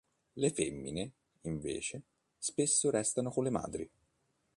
Le femmine, invece, spesso restano con le madri.